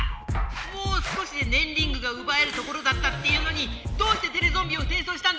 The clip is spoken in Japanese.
もう少しでねんリングがうばえるところだったっていうのにどうしてテレゾンビを転送したんだい